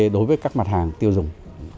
đối với các mặt hàng tiêu dùng